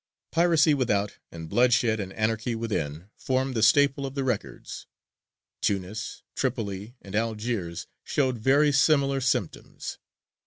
Piracy without and bloodshed and anarchy within form the staple of the records. Tunis, Tripoli, and Algiers showed very similar symptoms.